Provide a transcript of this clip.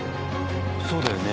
そうだよね。